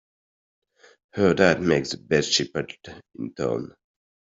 Her dad makes the best chipotle in town!